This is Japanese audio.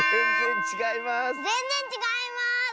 ぜんぜんちがいます。